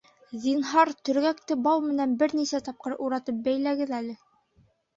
Зинһар, төргәкте бау менән бер нисә тапҡыр уратып бәйләгеҙ әле